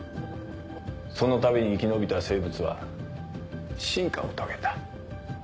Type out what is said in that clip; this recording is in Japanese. そのたびに生き延びた生物は進化を遂げた。